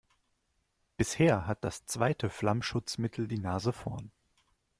Bisher hat das zweite Flammschutzmittel die Nase vorn.